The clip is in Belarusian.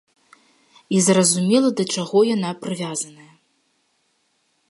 І зразумела да чаго яна прывязаная.